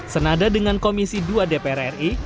senada dengan komisi dua dpr ri